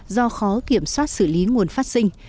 do khó kiểm soát xử lý nguồn phát sinh